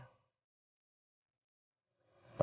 pasti ada masalah